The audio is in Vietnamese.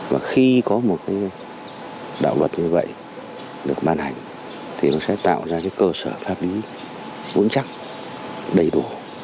và khi có một đạo luật như vậy được ban hành thì nó sẽ tạo ra cái cơ sở pháp lý vững chắc đầy đủ